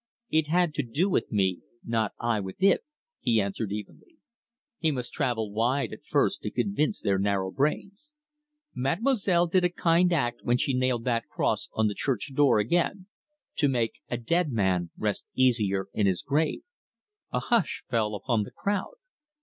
"It had to do with me, not I with it," he answered evenly. He must travel wide at first to convince their narrow brains. "Mademoiselle did a kind act when she nailed that cross on the church door again to make a dead man rest easier in his grave." A hush fell upon the crowd.